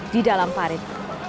di dalam parit